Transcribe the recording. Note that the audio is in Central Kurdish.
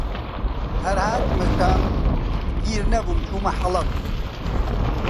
هەر هاتمە شام، گیر نەبووم چوومە حەڵەب